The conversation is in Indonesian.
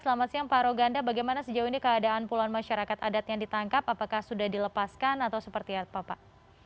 selamat siang pak roganda bagaimana sejauh ini keadaan puluhan masyarakat adat yang ditangkap apakah sudah dilepaskan atau seperti apa pak